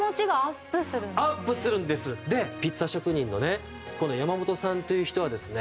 でピッツァ職人のねこの山本さんという人はですね